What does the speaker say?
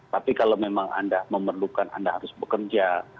tapi kalau memang anda memerlukan anda harus bekerja